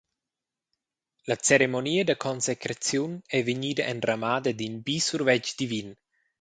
La ceremonia da consecraziun ei vegnida enramada d’in bi survetsch divin.